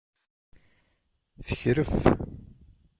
Tekref.